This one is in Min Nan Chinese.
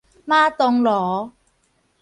媽當奴